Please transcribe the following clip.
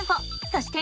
そして。